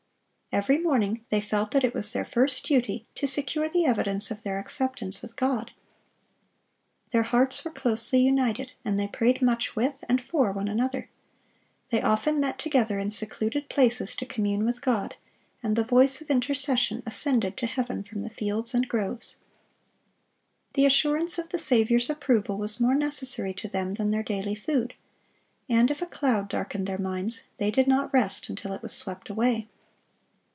Every morning they felt that it was their first duty to secure the evidence of their acceptance with God. Their hearts were closely united, and they prayed much with and for one another. They often met together in secluded places to commune with God, and the voice of intercession ascended to heaven from the fields and groves. The assurance of the Saviour's approval was more necessary to them than their daily food; and if a cloud darkened their minds, they did not rest until it was swept away.